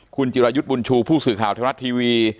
คุณจิรายุทบุญชูผู้สื่อข่าวเทคงัตริย์ทีวี